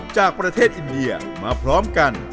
จากประเทศอินเดียมาพร้อมกัน